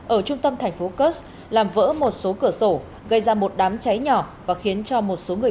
ở trung tâm thành phố kursk làm vỡ một số cửa sổ gây ra một đám cháy nhỏ và khiến cho một số người